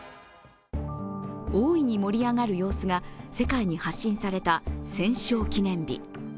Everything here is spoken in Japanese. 大いに盛り上がる様子が世界に発信された戦勝記念日。